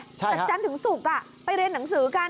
แต่จันทร์ถึงศุกร์ไปเรียนหนังสือกัน